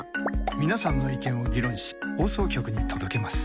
皆さんの意見を議論し放送局に届けます。